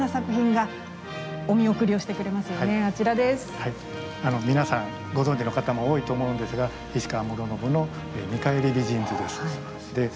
はい皆さんご存じの方も多いと思うんですが菱川師宣の「見返り美人図」です。